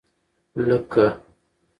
لکه.